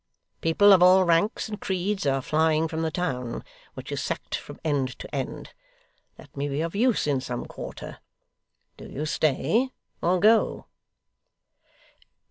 People of all ranks and creeds are flying from the town, which is sacked from end to end. Let me be of use in some quarter. Do you stay, or go?